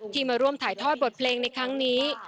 มาร่วมถ่ายทอดบทเพลงในครั้งนี้